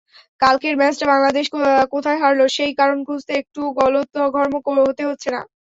কালকের ম্যাচটা বাংলাদেশ কোথায় হারল, সেই কারণ খুঁজতে একটুও গলদঘর্ম হতে হচ্ছে না।